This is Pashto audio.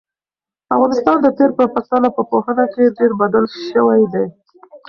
افغانستان د تېر په پرتله په پوهنه کې ډېر بدل شوی دی.